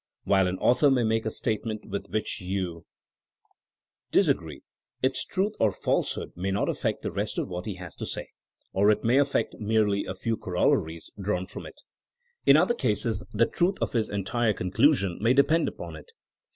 While an author may make a statement with which you 162 THINEINO AS A 80IEN0E disagree, its truth or falsehood may not affect the rest of what he has to say, or it may affect merely a few corollaries drawn from it. In other cases the truth of his entire conclusion may depend upon it.